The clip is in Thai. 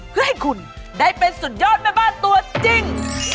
เพื่อให้คุณได้เป็นสุดยอดแม่บ้านตัวจริง